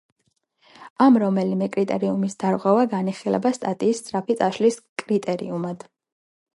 ამ რომელიმე კრიტერიუმის დარღვევა განიხილება სტატიის სწრაფი წაშლის კრიტერიუმად.